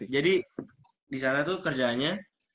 jadi di sana tuh kerjaannya